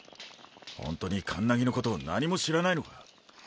ほんとにカンナギのこと何も知らないのか？